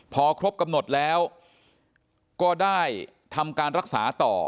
พอครบกำหนดแล้วก็ได้ทำการรักษาต่อ